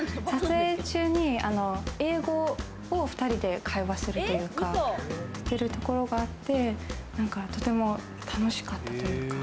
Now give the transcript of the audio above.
撮影中に英語を２人で会話するというか、やるところがあって、とても楽しかった。